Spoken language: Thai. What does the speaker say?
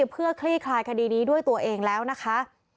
เพื่อคลี่คลายคดีนี้ด้วยตัวเองแล้วนะคะ